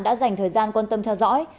đã dành thời gian quan tâm theo dõi